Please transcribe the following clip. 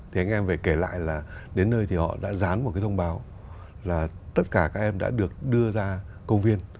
thì anh em phải kể lại là đến nơi thì họ đã dán một cái thông báo là tất cả các em đã được đưa ra công viên